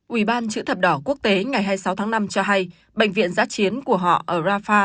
ủy ban chữ thập đỏ quốc tế ngày hai mươi sáu tháng năm cho hay bệnh viện giã chiến của họ ở rafah